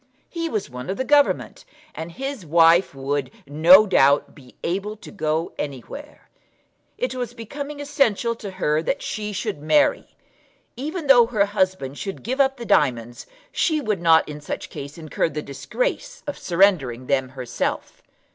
He was one of the Government, and his wife would, no doubt, be able to go anywhere. It was becoming essential to her that she should marry. Even though her husband should give up the diamonds, she would not in such case incur the disgrace of surrendering them herself.